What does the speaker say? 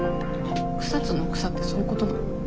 草津の草ってそういうことなの？